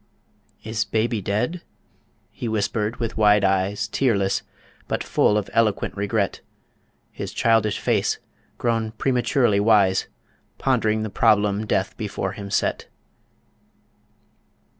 "Is baby dead?" he whispered, with wide eyes Tearless, but full of eloquent regret, His childish face grown prematurely wise Pond'ring the problem death before him set.